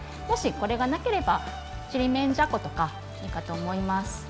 もしこれがなければちりめんじゃことかいいかと思います。